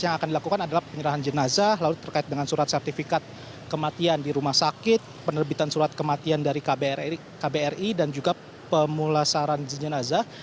yang akan dilakukan adalah penyerahan jenazah lalu terkait dengan surat sertifikat kematian di rumah sakit penerbitan surat kematian dari kbri dan juga pemulasaran jenazah